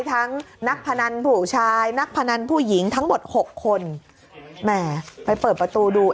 ทั้งนักพนันผู้ชายนักพนันผู้หญิงทั้งหมดหกคนแหมไปเปิดประตูดู